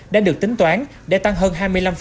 đã được tính toán để tăng hơn hai mươi năm